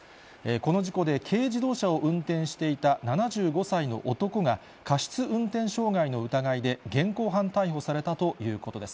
この事故で、軽自動車を運転していた７５歳の男が、過失運転傷害の疑いで現行犯逮捕されたということです。